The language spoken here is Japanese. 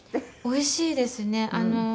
おいしいですね。